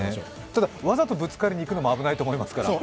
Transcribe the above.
ただ、わざとぶつかりにいくのも危ないと思いますから。